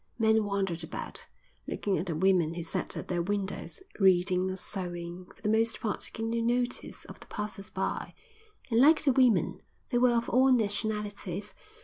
Men wandered about, looking at the women who sat at their windows, reading or sewing, for the most part taking no notice of the passers by; and like the women they were of all nationalities.